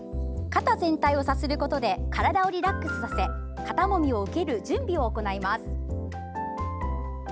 肩全体をさすることで体をリラックスさせ肩もみを受ける準備を行います。